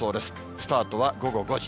スタートは午後５時。